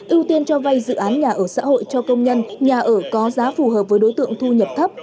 ưu tiên cho vay dự án nhà ở xã hội cho công nhân nhà ở có giá phù hợp với đối tượng thu nhập thấp